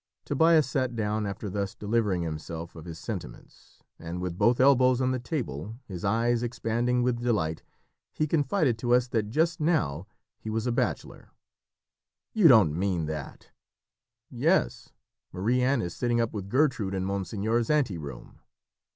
Tobias sat down after thus delivering himself of his sentiments, and with both elbows on the table, his eyes expanding with delight, he confided to us that just now he was a bachelor. "You don't mean that!" "Yes, Marie Anne is sitting up with Gertrude in monseigneur's ante room."